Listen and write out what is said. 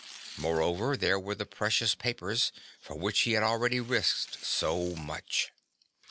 Moreover, there were the precious papers, for which he had already risked so much.